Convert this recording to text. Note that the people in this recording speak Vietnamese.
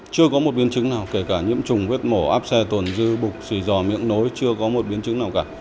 chưa có một biến chứng nào kể cả nhiễm trùng vết mổ áp xe tuần dư bục xùy giò miễn nối chưa có một biến chứng nào cả